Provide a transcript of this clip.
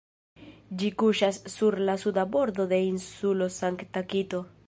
Ĝi kuŝas sur la suda bordo de Insulo Sankta-Kito.